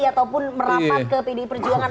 ataupun merapat ke pdi perjuangan